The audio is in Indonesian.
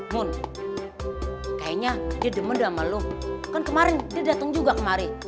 mun kayaknya dia demen sama lo kan kemarin dia dateng juga kemari